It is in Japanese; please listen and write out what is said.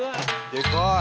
でかい！